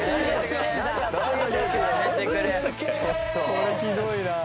「これひどいな」